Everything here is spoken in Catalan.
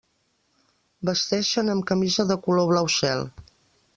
Vesteixen amb camisa de color blau cel.